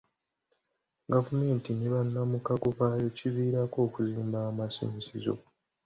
Gavumenti ne bannamukago baayo kiviirako okuzmba amasinzizo.